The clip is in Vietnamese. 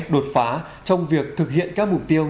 đột phá trong việc thực hiện các mục tiêu